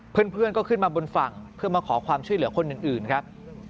เพื่อนก็ขึ้นมาบนฝั่งเพื่อมาขอความช่วยเหลือคนอื่นครับ